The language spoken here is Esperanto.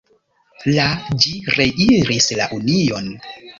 La ĝi reiris la Union.